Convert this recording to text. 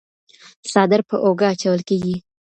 څادر په اوږه اچول کيږي.